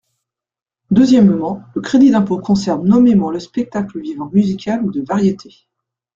Deuxièmement, le crédit d’impôt concerne nommément le « spectacle vivant musical ou de variétés ».